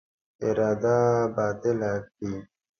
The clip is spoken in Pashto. اراده باطله کړي.